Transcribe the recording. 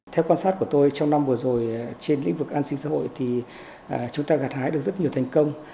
theo quan sát của tôi trong năm vừa rồi trên lĩnh vực an sinh xã hội thì chúng ta gạt hái được rất nhiều thành công